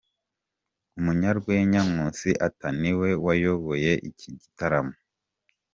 Umunyarwenya Nkusi Arthur niwe wayoboye iki gitaramo.